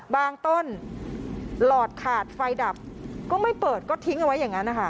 ต้นหลอดขาดไฟดับก็ไม่เปิดก็ทิ้งเอาไว้อย่างนั้นนะคะ